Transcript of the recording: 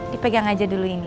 dipegang aja dulu ini